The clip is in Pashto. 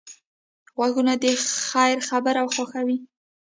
غوږونه د خیر خبره خوښوي